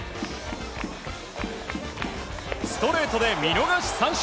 ストレートで見逃し三振。